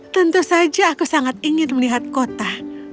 tentu saja aku sangat ingin melihat kota